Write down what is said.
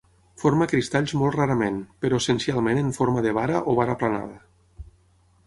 Forma cristalls molt rarament, però essencialment en forma de vara o vara aplanada.